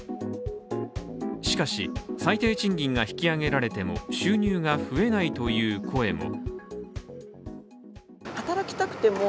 しかし、最低賃金が引き上げられても収入が増えないという声も。